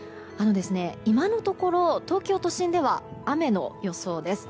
今のところ東京都心では雨の予想です。